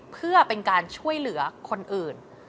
เพื่อเป็นการช่วยเหลือคนอื่น